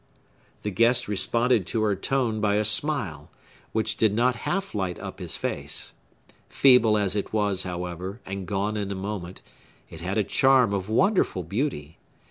The guest responded to her tone by a smile, which did not half light up his face. Feeble as it was, however, and gone in a moment, it had a charm of wonderful beauty.